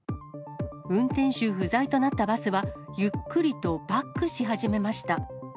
運転手不在となったバスは、ゆっくりとバックし始めました。